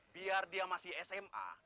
biar dia masih sma